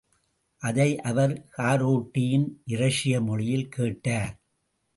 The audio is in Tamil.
அதை அவர் காரோட்டியின் இரஷிய மொழியில் கேட்டார்.